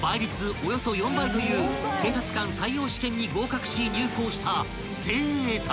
およそ４倍という警察官採用試験に合格し入校した精鋭たち］